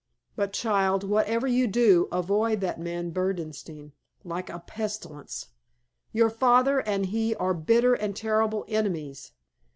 But, child, whatever you do, avoid that man Berdenstein like a pestilence. Your father and he are bitter and terrible enemies.